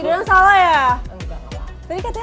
jadi kalau meditasi itu gini